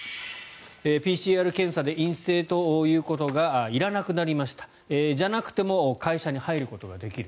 ＰＣＲ検査で陰性ということがいらなくなりましたじゃなくても会社に入ることができる。